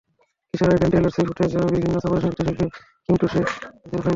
কিশোর Aiden Taylor সুইফটের বিভিন্ন সফরের সঙ্গী নৃত্যশিল্পী কিম টোশি ডেভিডসনের ভাইপো।